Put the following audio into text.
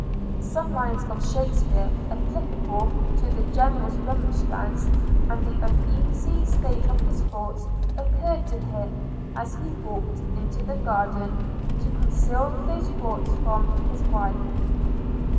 – Some lines of Shakespeare, applicable to the General's remonstrance, and the uneasy state of his thoughts, occurred to him as he walked into the garden to conceal those thoughts from his wife.